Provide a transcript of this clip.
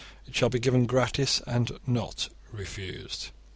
It shall be given gratis, and not refused.